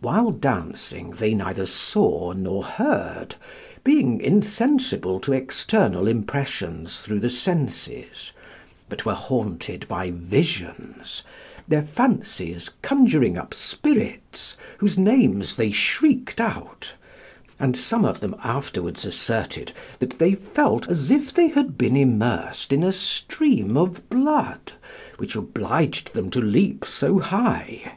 While dancing they neither saw nor heard, being insensible to external impressions through the senses, but were haunted by visions, their fancies conjuring up spirits whose names they shrieked out; and some of them afterwards asserted that they felt as if they had been immersed in a stream of blood, which obliged them to leap so high.